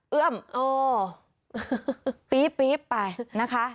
เอื้อมโอ้ปี๊บไปนะคะ